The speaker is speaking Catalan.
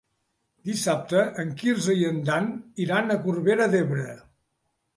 Dissabte en Quirze i en Dan iran a Corbera d'Ebre.